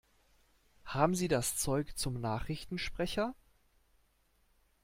Haben Sie das Zeug zum Nachrichtensprecher?